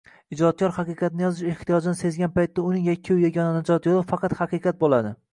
Ijodkor haqiqatni yozish ehtiyojini sezgan paytda uning yakkayu yagona najot yoʻli faqat haqiqat boʻladi